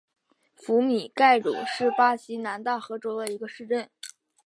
福米盖鲁是巴西南大河州的一个市镇。